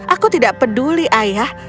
aku tidak peduli ayah